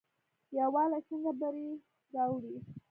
یووالی څنګه بری راوړي؟